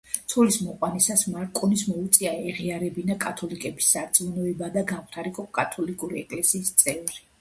ცოლის მოყვანისათვის მარკონის მოუწია ეღიარებინა კათოლიკების სარწმუნოება და გამხდარიყო კათოლიკური ეკლესიის წევრი.